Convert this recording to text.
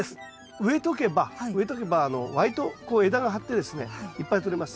植えとけば植えとけば割とこう枝が張ってですねいっぱいとれます。